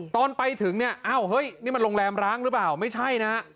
ตอนไปถึงเนี่ยอ้าวเฮ้ยนี่มันโรงแรมร้างหรือเปล่าไม่ใช่นะ